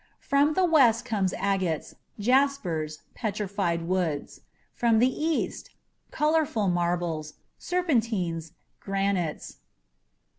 From the West come agates, jaspers, petrified woods; from the East, colorful marbles, serpentines, granites.